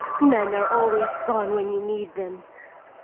"Men are always gone when you need them!"